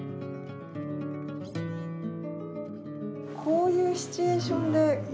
こういうシチュエーションで。